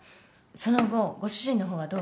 その後ご主人の方はどう？